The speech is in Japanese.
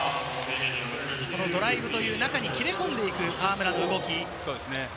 ドライブという中に切れ込んでいく河村の動き。